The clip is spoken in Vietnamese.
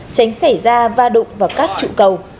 tránh xảy ra va đụng vào các trụ cầu